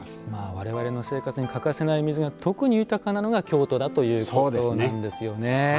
我々の生活に欠かせない水が特に豊かなのが京都だということなんですよね。